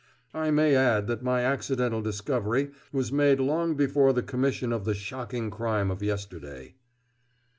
I may add that my accidental discovery was made long before the commission of the shocking crime of yesterday."